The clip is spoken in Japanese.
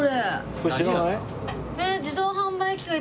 これ知らない？